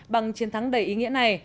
bằng chiến thắng đầy ý nghĩa này